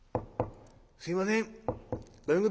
すいません。